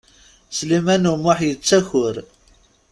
Sliman U Muḥ yettaker.